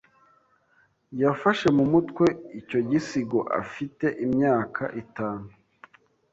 Yafashe mu mutwe icyo gisigo afite imyaka itanu.